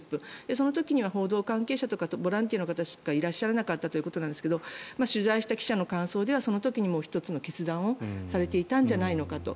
その時には報道関係者とかボランティアの方しかいなかったということですが取材した記者の感想ではその時にもう１つの決断をされていたんじゃないかと。